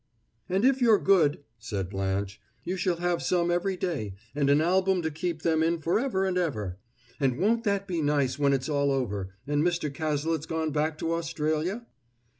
"And if you're good," said Blanche, "you shall have some every day, and an album to keep them in forever and ever. And won't that be nice when it's all over, and Mr. Cazalet's gone back to Australia?"